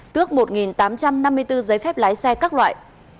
tước một tám trăm năm mươi bốn giấy phép lái xe các loại